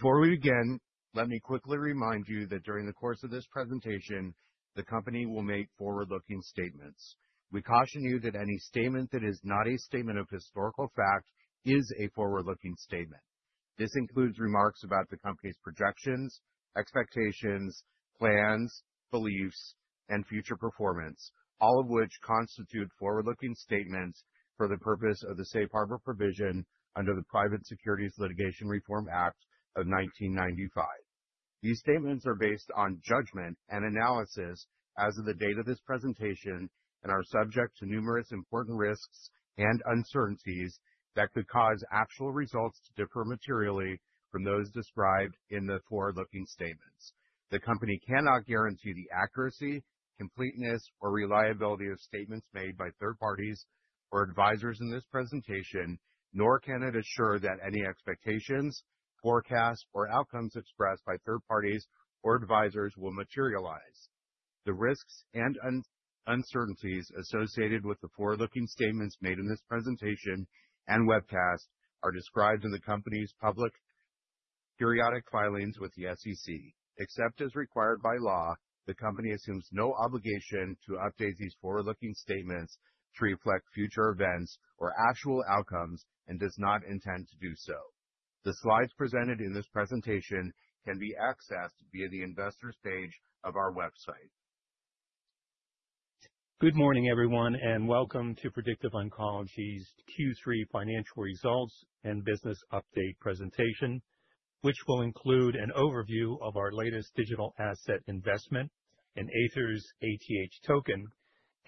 Before we begin, let me quickly remind you that during the course of this presentation, the company will make forward-looking statements. We caution you that any statement that is not a statement of historical fact is a forward-looking statement. This includes remarks about the company's projections, expectations, plans, beliefs, and future performance, all of which constitute forward-looking statements for the purpose of the Safe Harbor Provision under the Private Securities Litigation Reform Act of 1995. These statements are based on judgment and analysis as of the date of this presentation and are subject to numerous important risks and uncertainties that could cause actual results to differ materially from those described in the forward-looking statements. The company cannot guarantee the accuracy, completeness, or reliability of statements made by third parties or advisors in this presentation, nor can it assure that any expectations, forecasts, or outcomes expressed by third parties or advisors will materialize. The risks and uncertainties associated with the forward-looking statements made in this presentation and webcast are described in the company's public periodic filings with the SEC. Except as required by law, the company assumes no obligation to update these forward-looking statements to reflect future events or actual outcomes and does not intend to do so. The slides presented in this presentation can be accessed via the investors' page of our website. Good morning, everyone, and welcome to Predictive Oncology's Q3 financial results and business update presentation, which will include an overview of our latest digital asset investment, in Aethir's ATH token,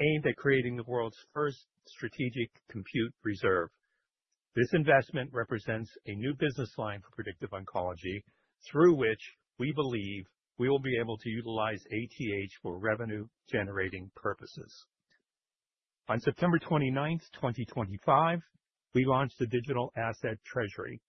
aimed at creating the world's first strategic compute reserve. This investment represents a new business line for Predictive Oncology through which we believe we will be able to utilize ATH for revenue-generating purposes. On September 29th, 2025, we launched the digital asset treasury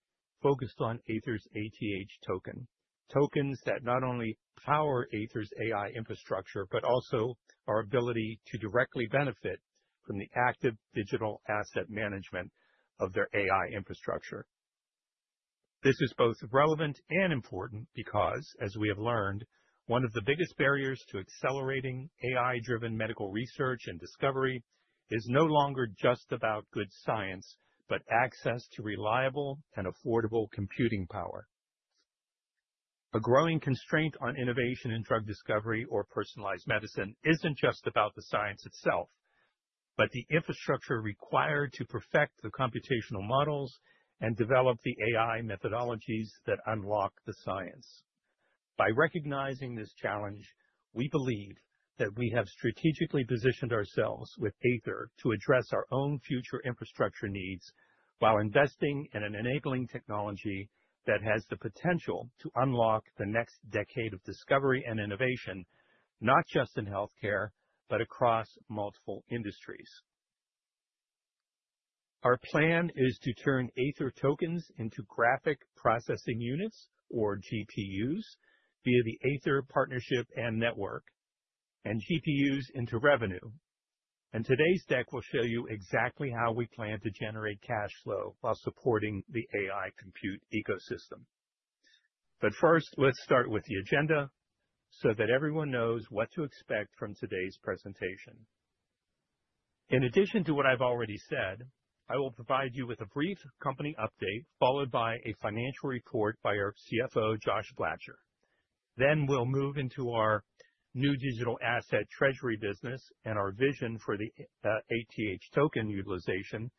focused on Aethir's ATH token, tokens that not only power Aethir's AI infrastructure but also our ability to directly benefit from the active digital asset management of their AI infrastructure. This is both relevant and important because, as we have learned, one of the biggest barriers to accelerating AI-driven medical research and discovery is no longer just about good science but access to reliable and affordable computing power. A growing constraint on innovation in drug discovery or personalized medicine is not just about the science itself but the infrastructure required to perfect the computational models and develop the AI methodologies that unlock the science. By recognizing this challenge, we believe that we have strategically positioned ourselves with Aethir to address our own future infrastructure needs while investing in an enabling technology that has the potential to unlock the next decade of discovery and innovation, not just in healthcare but across multiple industries. Our plan is to turn Aethir tokens into graphic processing units, or GPUs, via the Aethir partnership and network, and GPUs into revenue. Today's deck will show you exactly how we plan to generate cash flow while supporting the AI compute ecosystem. First, let's start with the agenda so that everyone knows what to expect from today's presentation. In addition to what I've already said, I will provide you with a brief company update followed by a financial report by our CFO, Josh Blacher. We will move into our new digital asset treasury business and our vision for the ATH token utilization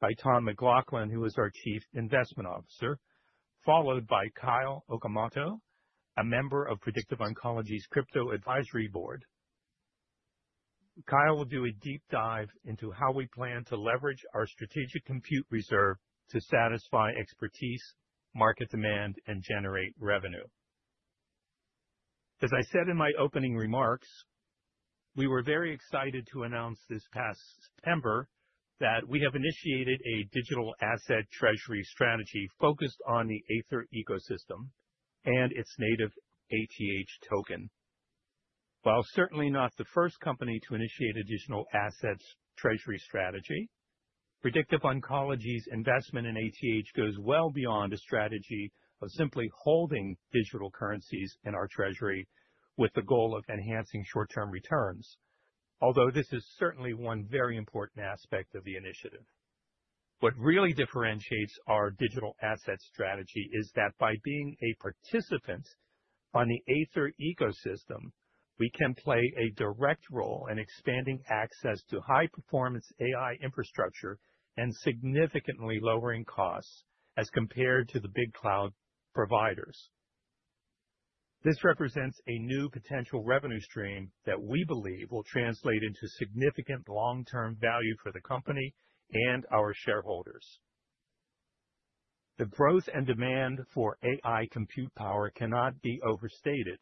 by Tom McLaughlin, who is our Chief Investment Officer, followed by Kyle Okamoto, a member of Predictive Oncology's Crypto Advisory Board. Kyle will do a deep dive into how we plan to leverage our strategic compute reserve to satisfy expertise, market demand, and generate revenue. As I said in my opening remarks, we were very excited to announce this past September that we have initiated a digital asset treasury strategy focused on the Aethir ecosystem and its native ATH token. While certainly not the first company to initiate a digital asset treasury strategy, Predictive Oncology's investment in ATH goes well beyond a strategy of simply holding digital currencies in our treasury with the goal of enhancing short-term returns, although this is certainly one very important aspect of the initiative. What really differentiates our digital asset strategy is that by being a participant on the Aethir ecosystem, we can play a direct role in expanding access to high-performance AI infrastructure and significantly lowering costs as compared to the big cloud providers. This represents a new potential revenue stream that we believe will translate into significant long-term value for the company and our shareholders. The growth and demand for AI compute power cannot be overstated,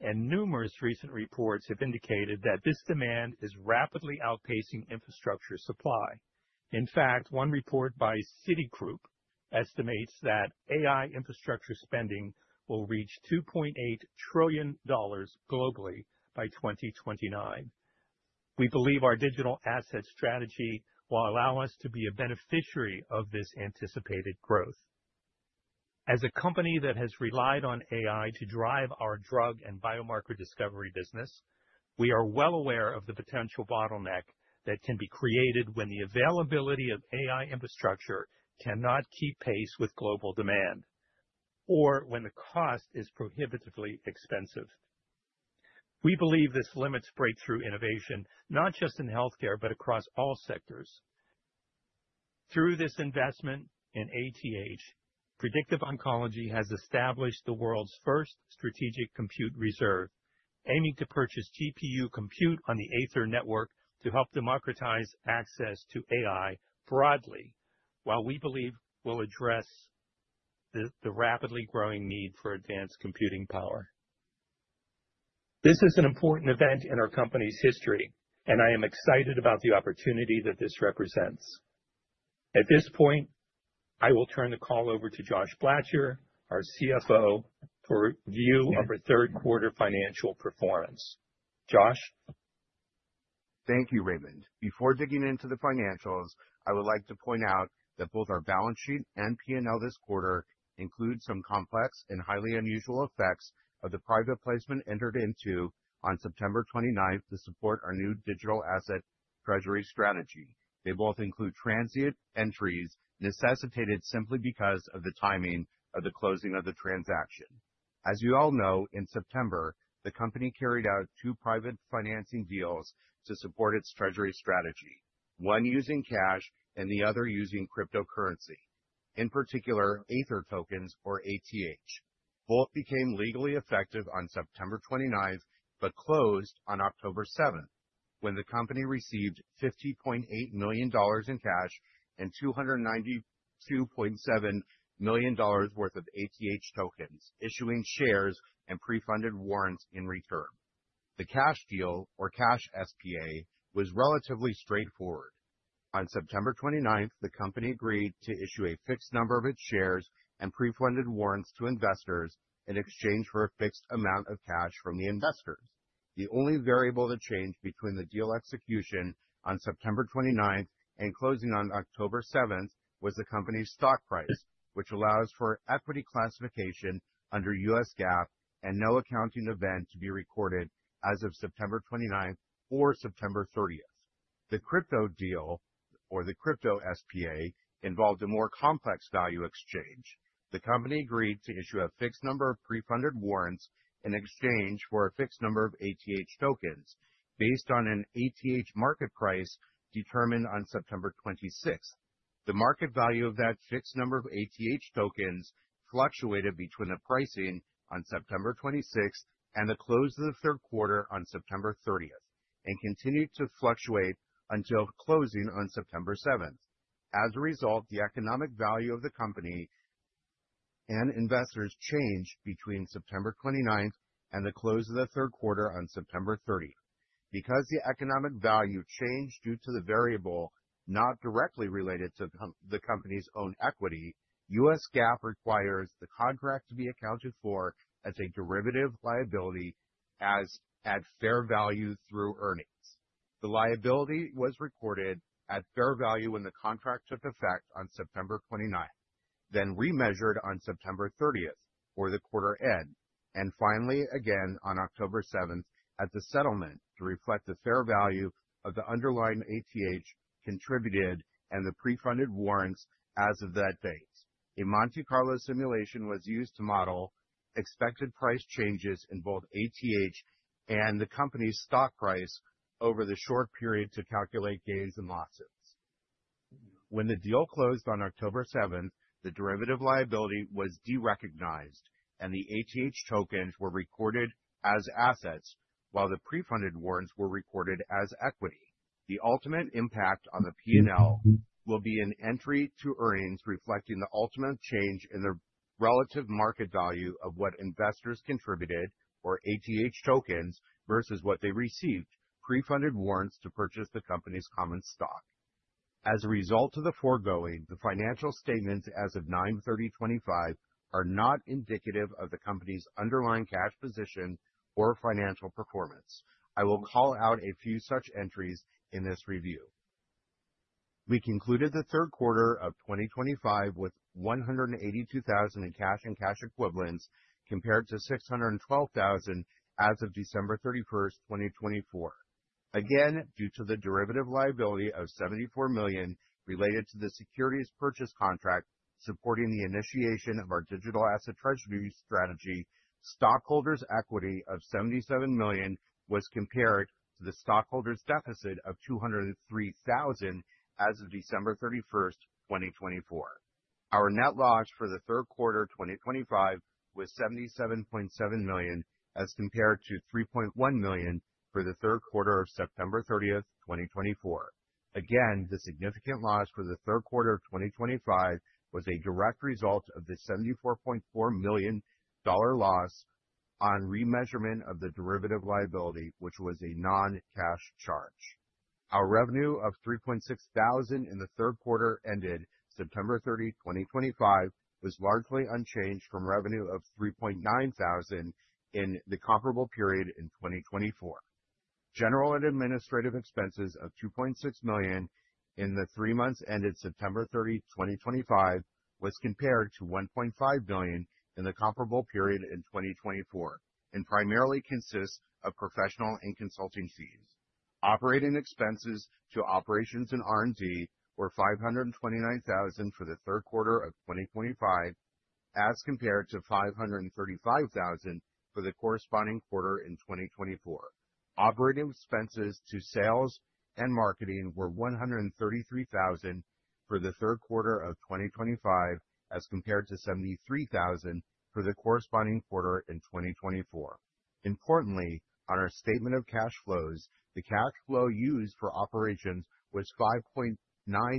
and numerous recent reports have indicated that this demand is rapidly outpacing infrastructure supply. In fact, one report by Citigroup estimates that AI infrastructure spending will reach $2.8 trillion globally by 2029. We believe our digital asset strategy will allow us to be a beneficiary of this anticipated growth. As a company that has relied on AI to drive our drug and biomarker discovery business, we are well aware of the potential bottleneck that can be created when the availability of AI infrastructure cannot keep pace with global demand or when the cost is prohibitively expensive. We believe this limits breakthrough innovation not just in healthcare but across all sectors. Through this investment in ATH, Predictive Oncology has established the world's first strategic compute reserve, aiming to purchase GPU compute on the Aethir network to help democratize access to AI broadly, while we believe we'll address the rapidly growing need for advanced computing power. This is an important event in our company's history, and I am excited about the opportunity that this represents. At this point, I will turn the call over to Josh Blacher, our CFO, for a review of our third-quarter financial performance. Josh. Thank you, Raymond. Before digging into the financials, I would like to point out that both our balance sheet and P&L this quarter include some complex and highly unusual effects of the private placement entered into on September 29th to support our new digital asset treasury strategy. They both include transient entries necessitated simply because of the timing of the closing of the transaction. As you all know, in September, the company carried out two private financing deals to support its treasury strategy, one using cash and the other using cryptocurrency, in particular, Aethir tokens or ATH. Both became legally effective on September 29th but closed on October 7th when the company received $50.8 million in cash and $292.7 million worth of ATH tokens, issuing shares and pre-funded warrants in return. The cash deal, or cash SPA, was relatively straightforward. On September 29th, the company agreed to issue a fixed number of its shares and pre-funded warrants to investors in exchange for a fixed amount of cash from the investors. The only variable that changed between the deal execution on September 29th and closing on October 7th was the company's stock price, which allows for equity classification under U.S. GAAP and no accounting event to be recorded as of September 29th or September 30th. The crypto deal, or the crypto SPA, involved a more complex value exchange. The company agreed to issue a fixed number of pre-funded warrants in exchange for a fixed number of ATH tokens based on an ATH market price determined on September 26th. The market value of that fixed number of ATH tokens fluctuated between the pricing on September 26th and the close of the third quarter on September 30th and continued to fluctuate until closing on October 7th. As a result, the economic value of the company and investors changed between September 29th and the close of the third quarter on September 30th. Because the economic value changed due to the variable not directly related to the company's own equity, U.S. GAAP requires the contract to be accounted for as a derivative liability at fair value through earnings. The liability was recorded at fair value when the contract took effect on September 29th, then remeasured on September 30th, or the quarter end, and finally again on October 7th at the settlement to reflect the fair value of the underlying ATH contributed and the pre-funded warrants as of that date. A Monte Carlo simulation was used to model expected price changes in both ATH and the company's stock price over the short period to calculate gains and losses. When the deal closed on October 7, the derivative liability was derecognized, and the ATH tokens were recorded as assets while the pre-funded warrants were recorded as equity. The ultimate impact on the P&L will be an entry to earnings reflecting the ultimate change in the relative market value of what investors contributed, or ATH tokens, versus what they received, pre-funded warrants to purchase the company's common stock. As a result of the foregoing, the financial statements as of September 30, 2025 are not indicative of the company's underlying cash position or financial performance. I will call out a few such entries in this review. We concluded the third quarter of 2025 with $182,000 in cash and cash equivalents compared to $612,000 as of December 31th, 2024. Again, due to the derivative liability of $74 million related to the securities purchase contract supporting the initiation of our digital asset treasury strategy, stockholders' equity of $77 million was compared to the stockholders' deficit of $203,000 as of December 31th, 2024. Our net loss for the third quarter of 2025 was $77.7 million as compared to $3.1 million for the third quarter ended September 30th, 2024. Again, the significant loss for the third quarter of 2025 was a direct result of the $74.4 million loss on remeasurement of the derivative liability, which was a non-cash charge. Our revenue of $3.6 million in the third quarter ended September 30, 2025, was largely unchanged from revenue of $3.9 million in the comparable period in 2024. General and administrative expenses of $2.6 million in the three months ended September 30, 2025, was compared to $1.5 million in the comparable period in 2024 and primarily consists of professional and consulting fees. Operating expenses to operations and R&D were $529,000 for the third quarter of 2025 as compared to $535,000 for the corresponding quarter in 2024. Operating expenses to sales and marketing were $133,000 for the third quarter of 2025 as compared to $73,000 for the corresponding quarter in 2024. Importantly, on our statement of cash flows, the cash flow used for operations was $5.9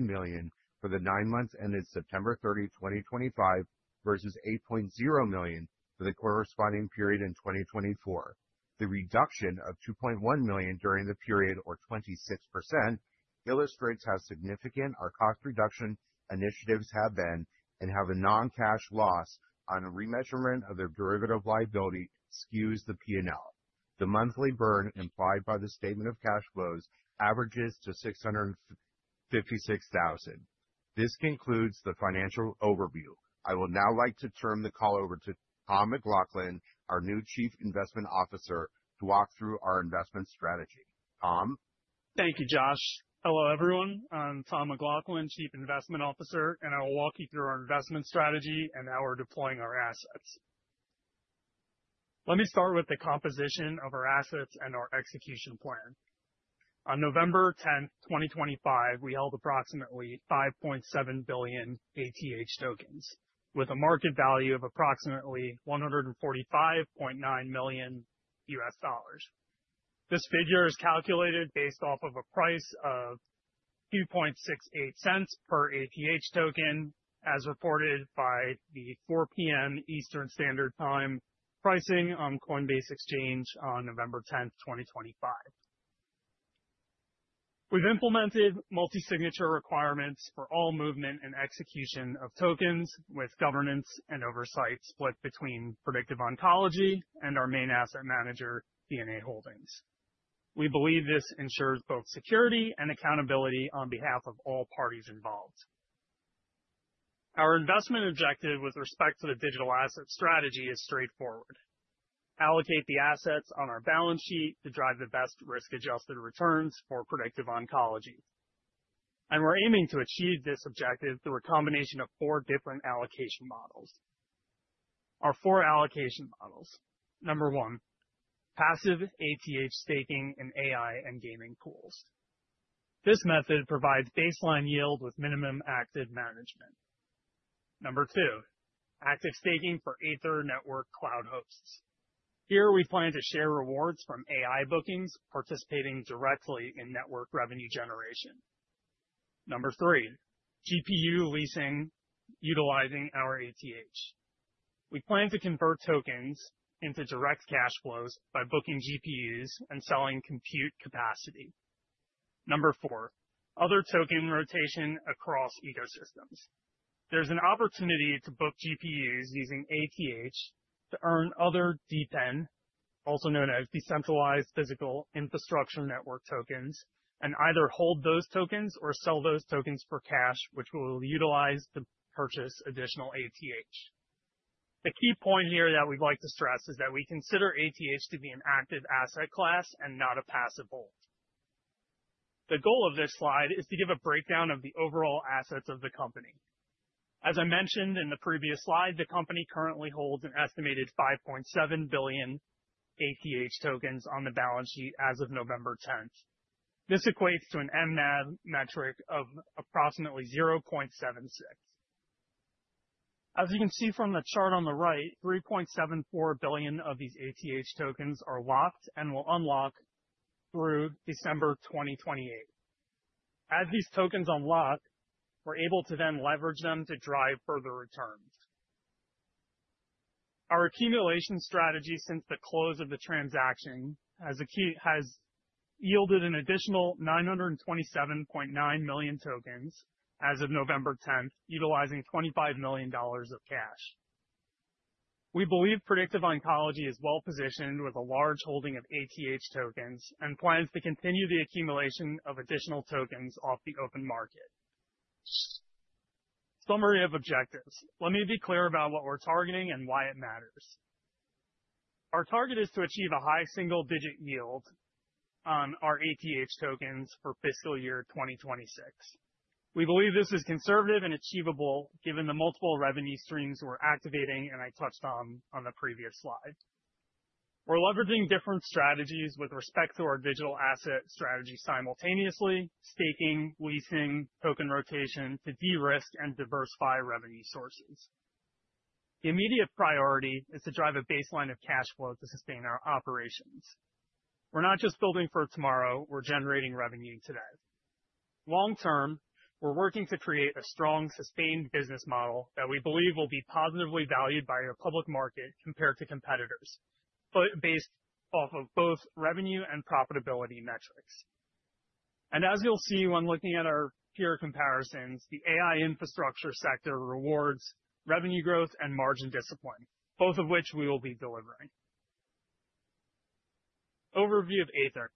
million for the nine months ended September 30, 2025, versus $8.0 million for the corresponding period in 2024. The reduction of $2.1 million during the period, or 26%, illustrates how significant our cost reduction initiatives have been and how the non-cash loss on remeasurement of the derivative liability skews the P&L. The monthly burn implied by the statement of cash flows averages to $656,000. This concludes the financial overview. I would now like to turn the call over to Tom McLaughlin, our new Chief Investment Officer, to walk through our investment strategy. Tom. Thank you, Josh. Hello, everyone. I'm Tom McLaughlin, Chief Investment Officer, and I will walk you through our investment strategy and how we're deploying our assets. Let me start with the composition of our assets and our execution plan. On November 10th, 2025, we held approximately 5.7 billion ATH tokens with a market value of approximately $145.9 million U.S. dollars. This figure is calculated based off of a price of $2.68 per ATH token, as reported by the 4:00 P.M. Eastern Standard Time pricing on Coinbase Exchange on November 10th, 2025. We've implemented multi-signature requirements for all movement and execution of tokens, with governance and oversight split between Predictive Oncology and our main asset manager, D&A Holdings. We believe this ensures both security and accountability on behalf of all parties involved. Our investment objective with respect to the digital asset strategy is straightforward: allocate the assets on our balance sheet to drive the best risk-adjusted returns for Predictive Oncology. We are aiming to achieve this objective through a combination of four different allocation models. Our four allocation models: Number one, passive ATH staking in AI and gaming pools. This method provides baseline yield with minimum active management. Number two, active staking for Aethir network cloud hosts. Here, we plan to share rewards from AI bookings participating directly in network revenue generation. Number three, GPU leasing utilizing our ATH. We plan to convert tokens into direct cash flows by booking GPUs and selling compute capacity. Number four, other token rotation across ecosystems. There's an opportunity to book GPUs using ATH to earn other DePIN, also known as decentralized physical infrastructure network tokens, and either hold those tokens or sell those tokens for cash, which will utilize to purchase additional ATH. The key point here that we'd like to stress is that we consider ATH to be an active asset class and not a passive hold. The goal of this slide is to give a breakdown of the overall assets of the company. As I mentioned in the previous slide, the company currently holds an estimated $5.7 billion ATH tokens on the balance sheet as of November 10th. This equates to an MNAB metric of approximately $0.76. As you can see from the chart on the right, $3.74 billion of these ATH tokens are locked and will unlock through December 2028. As these tokens unlock, we're able to then leverage them to drive further returns. Our accumulation strategy since the close of the transaction has yielded an additional 927.9 million tokens as of November 10th, utilizing $25 million of cash. We believe Predictive Oncology is well positioned with a large holding of ATH tokens and plans to continue the accumulation of additional tokens off the open market. Summary of objectives. Let me be clear about what we're targeting and why it matters. Our target is to achieve a high single-digit yield on our ATH tokens for fiscal year 2026. We believe this is conservative and achievable given the multiple revenue streams we're activating, and I touched on on the previous slide. We're leveraging different strategies with respect to our digital asset strategy simultaneously: staking, leasing, token rotation to de-risk and diversify revenue sources. The immediate priority is to drive a baseline of cash flow to sustain our operations. We're not just building for tomorrow; we're generating revenue today. Long term, we're working to create a strong, sustained business model that we believe will be positively valued by the public market compared to competitors, based off of both revenue and profitability metrics. As you'll see when looking at our peer comparisons, the AI infrastructure sector rewards revenue growth and margin discipline, both of which we will be delivering. Overview of Aethir.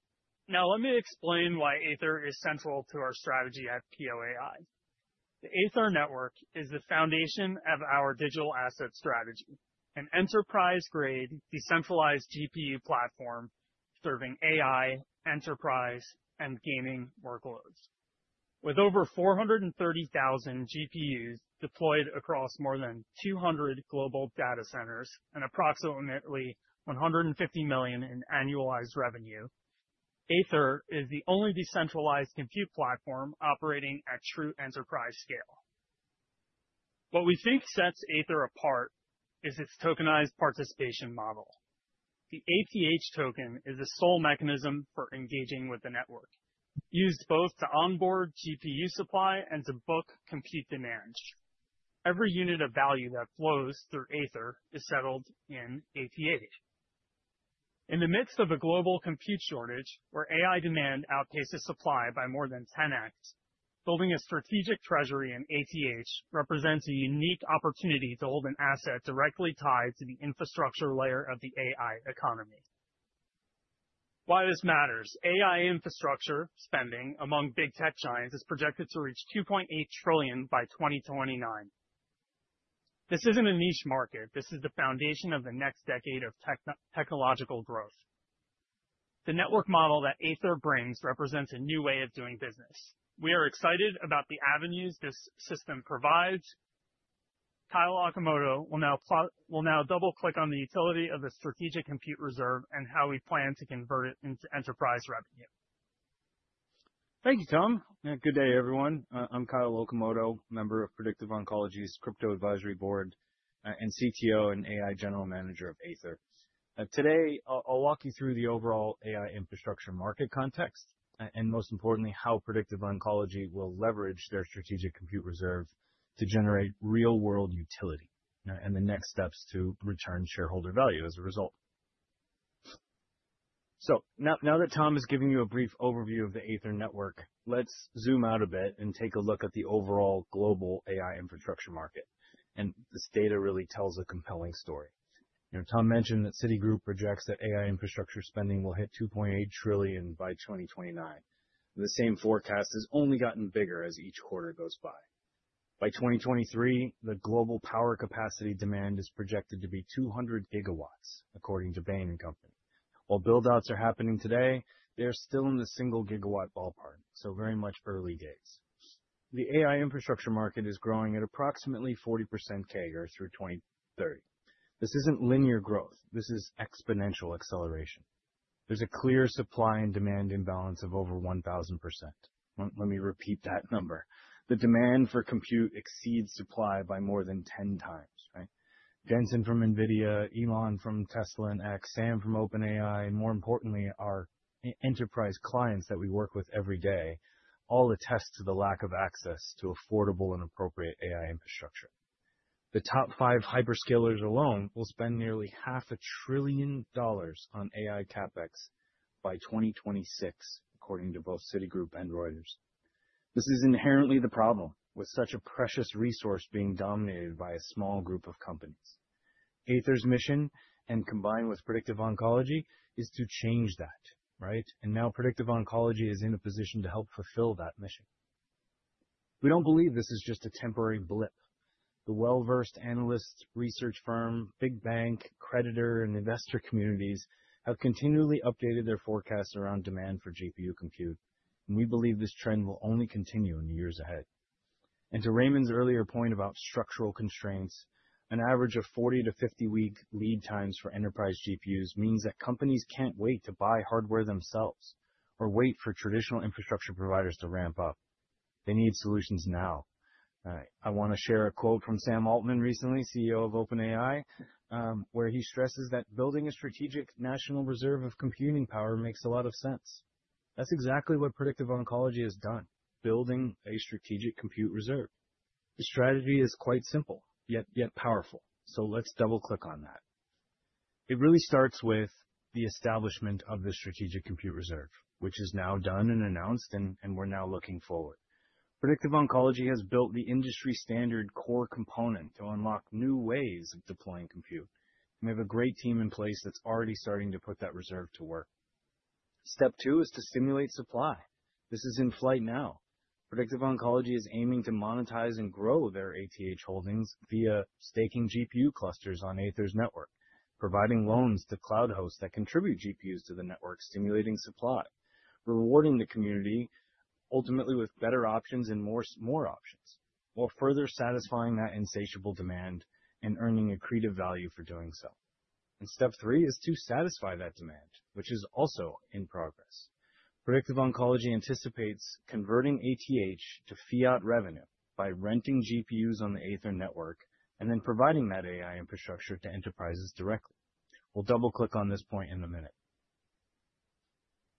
Now, let me explain why Aethir is central to our strategy at AI. The Aethir network is the foundation of our digital asset strategy, an enterprise-grade decentralized GPU platform serving AI, enterprise, and gaming workloads. With over 430,000 GPUs deployed across more than 200 global data centers and approximately $150 million in annualized revenue, Aethir is the only decentralized compute platform operating at true enterprise scale. What we think sets Aethir apart is its tokenized participation model. The ATH token is the sole mechanism for engaging with the network, used both to onboard GPU supply and to book compute demand. Every unit of value that flows through Aethir is settled in ATH. In the midst of a global compute shortage, where AI demand outpaces supply by more than 10x, building a strategic treasury in ATH represents a unique opportunity to hold an asset directly tied to the infrastructure layer of the AI economy. Why this matters: AI infrastructure spending among big tech giants is projected to reach $2.8 trillion by 2029. This isn't a niche market; this is the foundation of the next decade of technological growth. The network model that Aethir brings represents a new way of doing business. We are excited about the avenues this system provides. Kyle Okamoto will now double-click on the utility of the strategic compute reserve and how we plan to convert it into enterprise revenue. Thank you, Tom. Good day, everyone. I'm Kyle Okamoto, member of Predictive Oncology's Crypto Advisory Board and CTO and AI General Manager of Aethir. Today, I'll walk you through the overall AI infrastructure market context and, most importantly, how Predictive Oncology will leverage their strategic compute reserve to generate real-world utility and the next steps to return shareholder value as a result. Now that Tom is giving you a brief overview of the Aethir network, let's zoom out a bit and take a look at the overall global AI infrastructure market. This data really tells a compelling story. You know, Tom mentioned that Citigroup projects that AI infrastructure spending will hit $2.8 trillion by 2029. The same forecast has only gotten bigger as each quarter goes by. By 2023, the global power capacity demand is projected to be 200 gigawatts, according to Bain & Company. While buildouts are happening today, they are still in the single-gigawatt ballpark, so very much early days. The AI infrastructure market is growing at approximately 40% CAGR through 2030. This isn't linear growth; this is exponential acceleration. There's a clear supply and demand imbalance of over 1,000%. Let me repeat that number. The demand for compute exceeds supply by more than 10 times, right? Jensen from NVIDIA, Elon from Tesla and X, Sam from OpenAI, and more importantly, our enterprise clients that we work with every day all attest to the lack of access to affordable and appropriate AI infrastructure. The top five hyperscalers alone will spend nearly half a trillion dollars on AI CapEx by 2026, according to both Citigroup and Reuters. This is inherently the problem with such a precious resource being dominated by a small group of companies. Aethir's mission, combined with Predictive Oncology, is to change that, right? Predictive Oncology is now in a position to help fulfill that mission. We do not believe this is just a temporary blip. The well-versed analysts, research firm, big bank, creditor, and investor communities have continually updated their forecasts around demand for GPU compute, and we believe this trend will only continue in the years ahead. To Raymond's earlier point about structural constraints, an average of 40-50-week lead times for enterprise GPUs means that companies cannot wait to buy hardware themselves or wait for traditional infrastructure providers to ramp up. They need solutions now. I want to share a quote from Sam Altman recently, CEO of OpenAI, where he stresses that building a strategic national reserve of computing power makes a lot of sense. That is exactly what Predictive Oncology has done: building a strategic compute reserve. The strategy is quite simple, yet powerful. Let's double-click on that. It really starts with the establishment of the strategic compute reserve, which is now done and announced, and we're now looking forward. Predictive Oncology has built the industry-standard core component to unlock new ways of deploying compute, and we have a great team in place that's already starting to put that reserve to work. Step two is to stimulate supply. This is in flight now. Predictive Oncology is aiming to monetize and grow their ATH holdings via staking GPU clusters on Aethir's network, providing loans to cloud hosts that contribute GPUs to the network, stimulating supply, rewarding the community ultimately with better options and more options, while further satisfying that insatiable demand and earning accretive value for doing so. Step three is to satisfy that demand, which is also in progress. Predictive Oncology anticipates converting ATH to fiat revenue by renting GPUs on the Aethir network and then providing that AI infrastructure to enterprises directly. We will double-click on this point in a minute.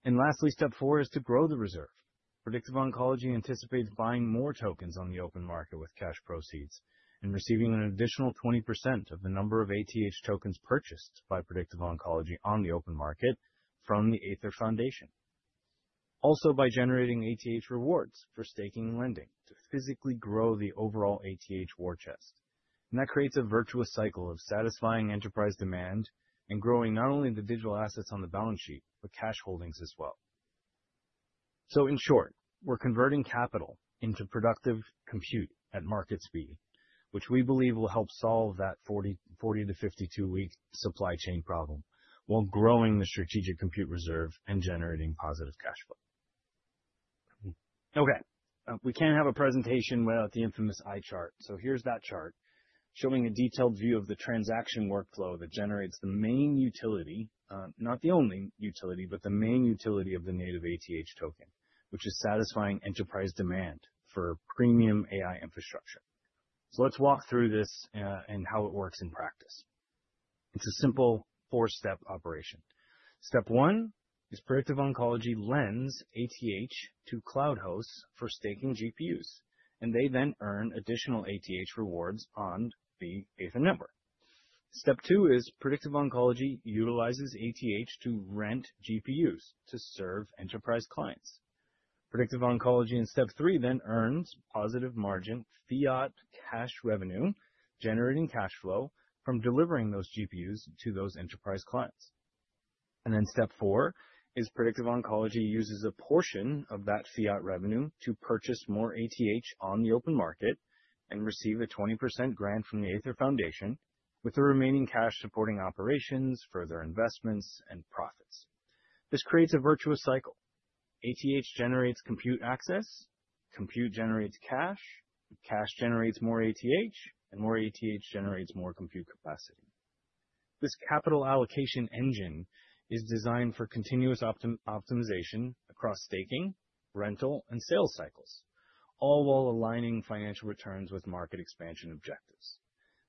Lastly, step four is to grow the reserve. Predictive Oncology anticipates buying more tokens on the open market with cash proceeds and receiving an additional 20% of the number of ATH tokens purchased by Predictive Oncology on the open market from the Aethir Foundation. Also, by generating ATH rewards for staking and lending to physically grow the overall ATH war chest. That creates a virtuous cycle of satisfying enterprise demand and growing not only the digital assets on the balance sheet, but cash holdings as well. In short, we're converting capital into productive compute at market speed, which we believe will help solve that 40-52 week supply chain problem while growing the strategic compute reserve and generating positive cash flow. Okay, we can't have a presentation without the infamous eye chart. Here's that chart showing a detailed view of the transaction workflow that generates the main utility, not the only utility, but the main utility of the native ATH token, which is satisfying enterprise demand for premium AI infrastructure. Let's walk through this and how it works in practice. It's a simple four-step operation. Step one is Predictive Oncology lends ATH to cloud hosts for staking GPUs, and they then earn additional ATH rewards on the Aethir network. Step two is Predictive Oncology utilizes ATH to rent GPUs to serve enterprise clients. Predictive Oncology in step three then earns positive margin fiat cash revenue, generating cash flow from delivering those GPUs to those enterprise clients. Step four is Predictive Oncology uses a portion of that fiat revenue to purchase more ATH on the open market and receive a 20% grant from the Aethir Foundation, with the remaining cash supporting operations, further investments, and profits. This creates a virtuous cycle. ATH generates compute access, compute generates cash, cash generates more ATH, and more ATH generates more compute capacity. This capital allocation engine is designed for continuous optimization across staking, rental, and sales cycles, all while aligning financial returns with market expansion objectives.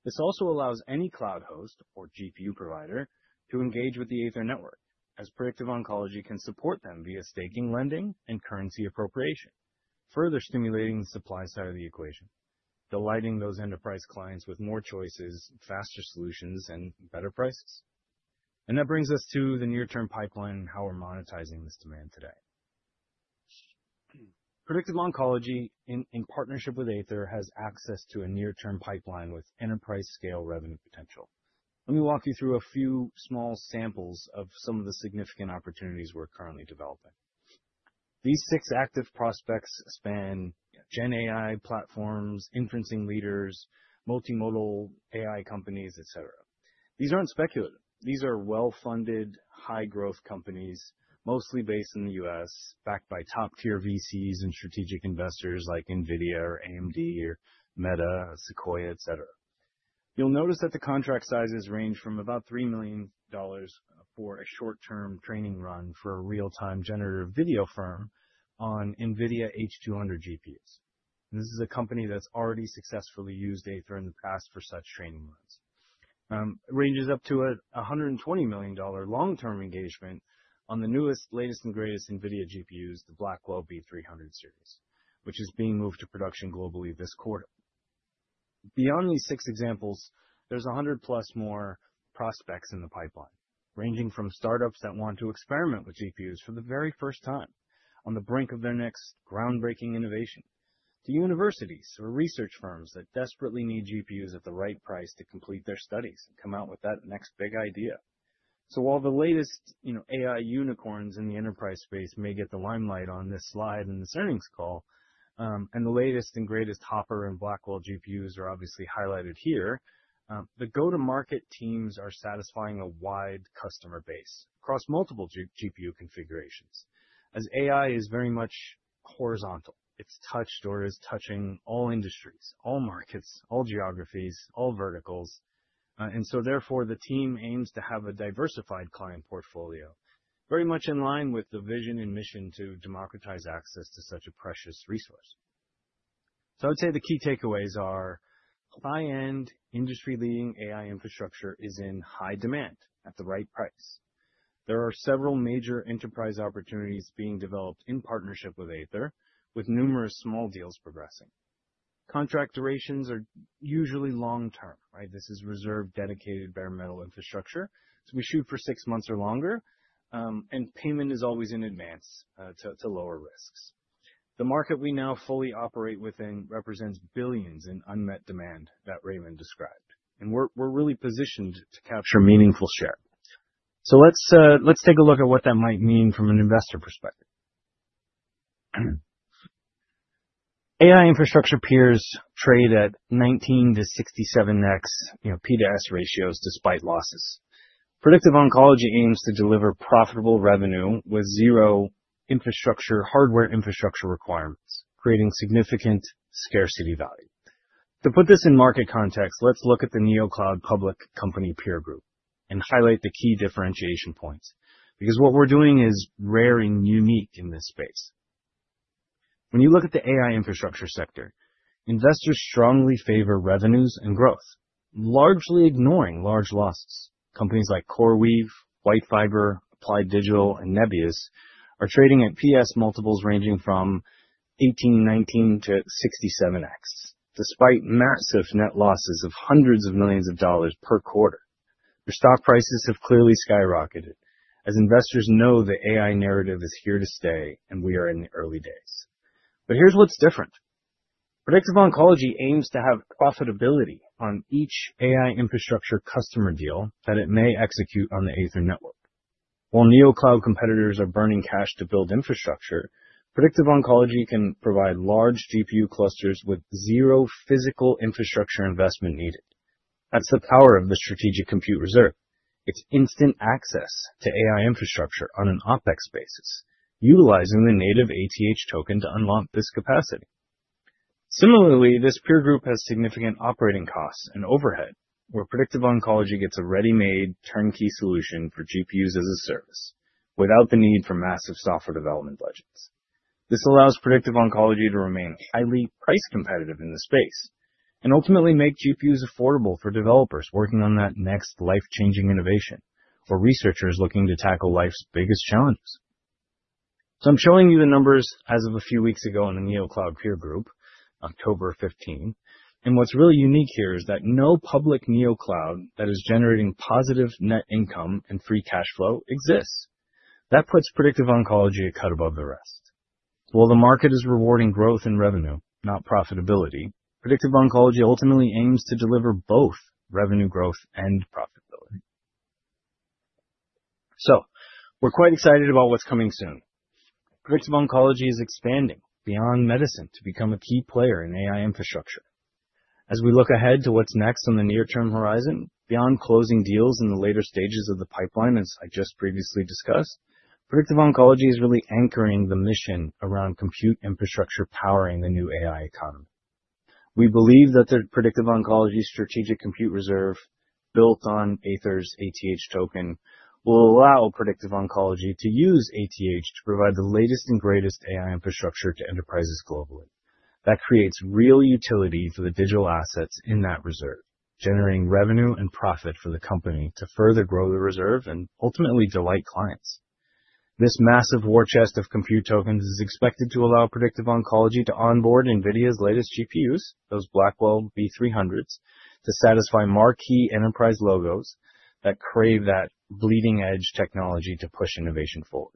This also allows any cloud host or GPU provider to engage with the Aethir network, as Predictive Oncology can support them via staking, lending, and currency appropriation, further stimulating the supply side of the equation, delighting those enterprise clients with more choices, faster solutions, and better prices. That brings us to the near-term pipeline and how we're monetizing this demand today. Predictive Oncology, in partnership with Aethir, has access to a near-term pipeline with enterprise-scale revenue potential. Let me walk you through a few small samples of some of the significant opportunities we're currently developing. These six active prospects span GenAI platforms, inferencing leaders, multimodal AI companies, et cetera. These aren't speculative. These are well-funded, high-growth companies, mostly based in the U.S., backed by top-tier VCs and strategic investors like NVIDIA, AMD, Meta, Sequoia, et cetera. You'll notice that the contract sizes range from about $3 million for a short-term training run for a real-time generative video firm on NVIDIA H200 GPUs. This is a company that's already successfully used Aethir in the past for such training runs. It ranges up to a $120 million long-term engagement on the newest, latest, and greatest NVIDIA GPUs, the Blackwell B300 series, which is being moved to production globally this quarter. Beyond these six examples, there's 100-plus more prospects in the pipeline, ranging from startups that want to experiment with GPUs for the very first time on the brink of their next groundbreaking innovation, to universities or research firms that desperately need GPUs at the right price to complete their studies and come out with that next big idea. While the latest, you know, AI unicorns in the enterprise space may get the limelight on this slide and this earnings call, and the latest and greatest Hopper and Blackwell GPUs are obviously highlighted here, the go-to-market teams are satisfying a wide customer base across multiple GPU configurations. As AI is very much horizontal, it's touched or is touching all industries, all markets, all geographies, all verticals. Therefore, the team aims to have a diversified client portfolio, very much in line with the vision and mission to democratize access to such a precious resource. I would say the key takeaways are high-end, industry-leading AI infrastructure is in high demand at the right price. There are several major enterprise opportunities being developed in partnership with Aethir, with numerous small deals progressing. Contract durations are usually long-term, right? This is reserved, dedicated bare-metal infrastructure. We shoot for six months or longer, and payment is always in advance, to lower risks. The market we now fully operate within represents billions in unmet demand that Raymond described. We're really positioned to capture a meaningful share. Let's take a look at what that might mean from an investor perspective. AI infrastructure peers trade at 19-67x, you know, P to S ratios despite losses. Predictive Oncology aims to deliver profitable revenue with zero infrastructure, hardware infrastructure requirements, creating significant scarcity value. To put this in market context, let's look at the neocloud public company peer group and highlight the key differentiation points, because what we're doing is rare and unique in this space. When you look at the AI infrastructure sector, investors strongly favor revenues and growth, largely ignoring large losses. Companies like CoreWeave, WhiteFiber, Applied Digital, and Nebius are trading at PS multiples ranging from 18, 19 to 67x, despite massive net losses of hundreds of millions of dollars per quarter. Their stock prices have clearly skyrocketed as investors know the AI narrative is here to stay and we are in the early days. Here's what's different. Predictive Oncology aims to have profitability on each AI infrastructure customer deal that it may execute on the Aethir network. While neocloud competitors are burning cash to build infrastructure, Predictive Oncology can provide large GPU clusters with zero physical infrastructure investment needed. That's the power of the strategic compute reserve. It's instant access to AI infrastructure on an OpEx basis, utilizing the native ATH token to unlock this capacity. Similarly, this peer group has significant operating costs and overhead, where Predictive Oncology gets a ready-made turnkey solution for GPUs as a service without the need for massive software development budgets. This allows Predictive Oncology to remain highly price competitive in the space and ultimately make GPUs affordable for developers working on that next life-changing innovation for researchers looking to tackle life's biggest challenges. I'm showing you the numbers as of a few weeks ago in the neocloud peer group, October 15. What's really unique here is that no public neocloud that is generating positive net income and free cash flow exists. That puts Predictive Oncology a cut above the rest. While the market is rewarding growth and revenue, not profitability, Predictive Oncology ultimately aims to deliver both revenue growth and profitability. We're quite excited about what's coming soon. Predictive Oncology is expanding beyond medicine to become a key player in AI infrastructure. As we look ahead to what is next on the near-term horizon, beyond closing deals in the later stages of the pipeline, as I just previously discussed, Predictive Oncology is really anchoring the mission around compute infrastructure powering the new AI economy. We believe that the Predictive Oncology strategic compute reserve built on Aethir's ATH token will allow Predictive Oncology to use ATH to provide the latest and greatest AI infrastructure to enterprises globally. That creates real utility for the digital assets in that reserve, generating revenue and profit for the company to further grow the reserve and ultimately delight clients. This massive war chest of compute tokens is expected to allow Predictive Oncology to onboard NVIDIA's latest GPUs, those Blackwell B300s, to satisfy marquee enterprise logos that crave that bleeding-edge technology to push innovation forward.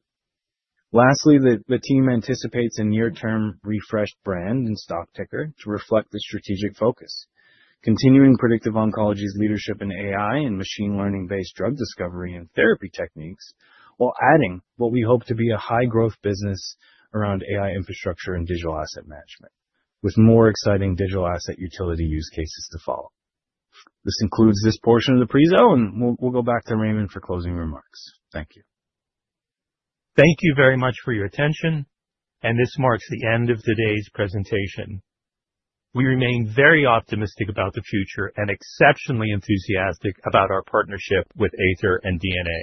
Lastly, the team anticipates a near-term refreshed brand and stock ticker to reflect the strategic focus, continuing Predictive Oncology's leadership in AI and machine learning-based drug discovery and therapy techniques, while adding what we hope to be a high-growth business around AI infrastructure and digital asset management, with more exciting digital asset utility use cases to follow. This includes this portion of the prezo, and we will go back to Raymond for closing remarks. Thank you. Thank you very much for your attention, and this marks the end of today's presentation. We remain very optimistic about the future and exceptionally enthusiastic about our partnership with Aethir and D&A.